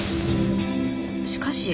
しかし。